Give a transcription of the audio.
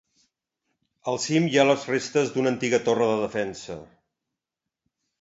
Al cim hi ha les restes d'una antiga torre de defensa.